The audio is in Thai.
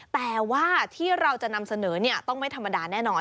แต่ว่าที่เราจะนำเสนอต้องไม่ธรรมดาแน่นอน